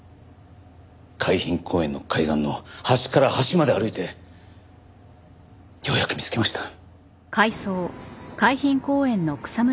海浜公園の海岸の端から端まで歩いてようやく見つけました。